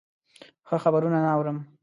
ښه خبرونه نه اورم.